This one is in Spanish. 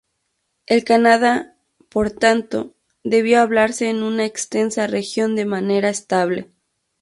El kannada, por tanto, debió hablarse en una extensa región de manera estable.